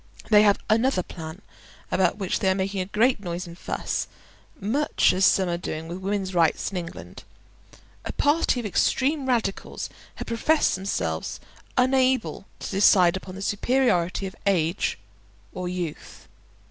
They have another plan about which they are making a great noise and fuss, much as some are doing with women's rights in England. A party of extreme radicals have professed themselves unable to decide upon the superiority of age or youth.